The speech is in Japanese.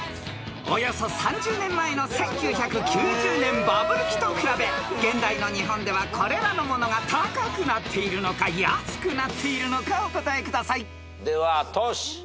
［およそ３０年前の１９９０年バブル期と比べ現代の日本ではこれらのものが高くなっているのか安くなっているのかお答えください］ではトシ。